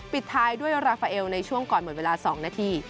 ปิดท้ายด้วยราฟาเอลในช่วงก่อนหมดเวลา๒นาที